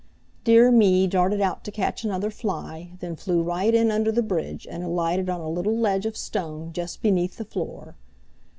Dear Me darted out to catch another fly, then flew right in under the bridge and alighted on a little ledge of stone just beneath the floor.